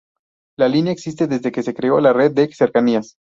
La línea existe desde que se creó la red de cercanías.